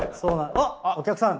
あっお客さん。